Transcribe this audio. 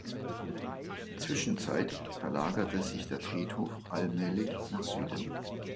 Zwischenzeit verlagerte sich der Friedhof allmählich nach Süden.